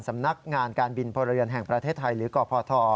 สำนักงานการบินพลเรือนแห่งประเทศไทยหรือกพท